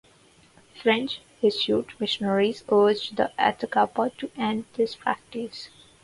French Jesuit missionaries urged the Atakapa to end this practice.